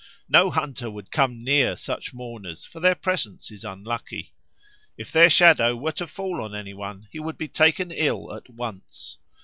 No hunter would come near such mourners, for their presence is unlucky. If their shadow were to fall on any one, he would be taken ill at once.